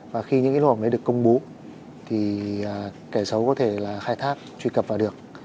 và khi những lỗ hỏng này được công bố thì kẻ xấu có thể khai thác truy cập vào được